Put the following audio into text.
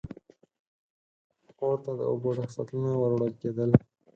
اور ته د اوبو ډک سطلونه ور وړل کېدل.